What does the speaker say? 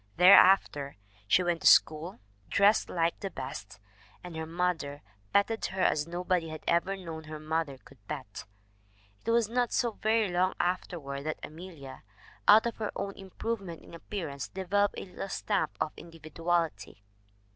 Thereafter she went to school 'dressed like the best/ and her mother petted 200 THE WOMEN WHO MAKE OUR NOVELS her as nobody had ever known her mother could pet. "It was not so very long afterward that Amelia, out of her own improvement in appearance, developed a little stamp of individuality.